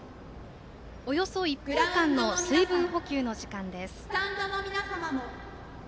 およそ１分間の水分補給の時間です。